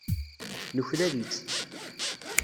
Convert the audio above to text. Nuklal-itt.